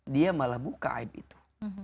dia malah buka aib itu